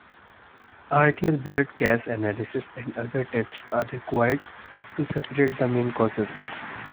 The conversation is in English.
Arterial blood gas analysis and other tests are required to separate the main causes.